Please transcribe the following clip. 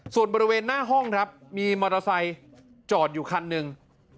ส่วนบริเวณหน้าห้องครับมีมอเตอร์ไซค์จอดอยู่คันหนึ่ง